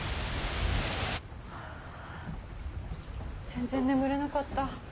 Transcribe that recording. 全然眠れなかった。